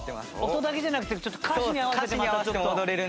音だけじゃなくて歌詞に合わせてまたちょっと。